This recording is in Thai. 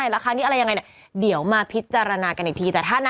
ราคานี้อะไรยังไงเนี่ยเดี๋ยวมาพิจารณากันอีกที